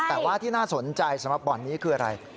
แต่ว่าที่น่าสนใจสำหรับบ่อนนี้คืออะไร